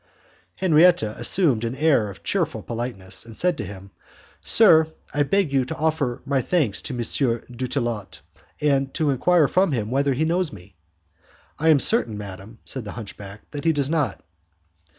Henriette assumed an air of cheerful politeness, and said to him, "Sir, I beg you will offer my thanks to M. Dutillot, and enquire from him whether he knows me." "I am certain, madam," said the hunchback, "that he does not."